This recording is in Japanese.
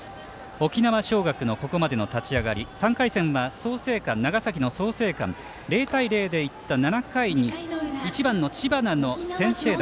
沖縄尚学のここまでの勝ち上がり３回戦は長崎の創成館０対０でいった７回に１番の知花の先制打